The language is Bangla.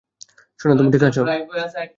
সোনা, তুমি ঠিক আছো?